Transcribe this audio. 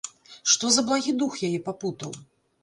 Што за благі дух яе папутаў?